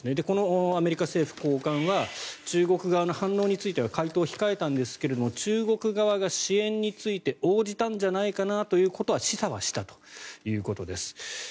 このアメリカ政府高官は中国側の反応については回答を控えたんですが中国側が支援について応じたんじゃないかなということは示唆をしたということです。